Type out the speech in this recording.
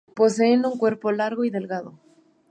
Poseen un cuerpo largo y delgado.